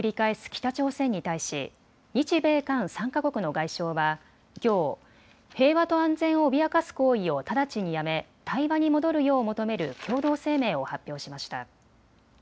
北朝鮮に対し日米韓３か国の外相はきょう、平和と安全を脅かす行為を直ちにやめ対話に戻るよう求める共同声明を発表しました。